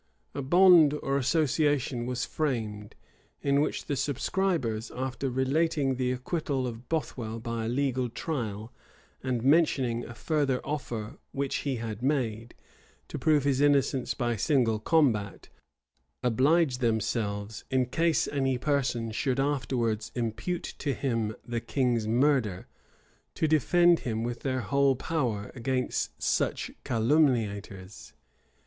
A bond or association was framed; in which the subscribers, after relating the acquittal of Bothwell by a legal trial, and mentioning a further offer which he had made, to prove his innocence by single combat, oblige themselves, in case any person should afterwards impute to him the king's murder, to defend him with their whole power against such calumniators.